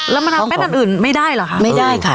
แล้วมะนาวเต้นอันอื่นไม่ได้เหรอคะไม่ได้ค่ะ